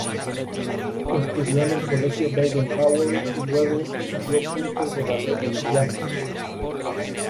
Estudió en el Colegio Baden Powell y luego siguió cursos de ballet y jazz.